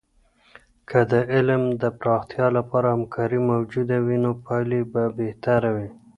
که د علم د پراختیا لپاره همکارۍ موجودې وي، نو پایلې به بهتره وي.